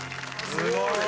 すごい！